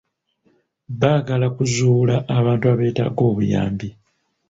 Baagala kuzuula abantu abeetaaga obuyambi.